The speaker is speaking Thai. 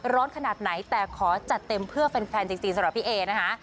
ขนาดไหนแต่ขอจัดเต็มเพื่อแฟนจริงสำหรับพี่เอนะคะ